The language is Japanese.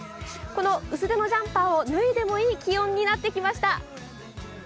この薄手のジャンパーを脱いでもいい気温になってきました。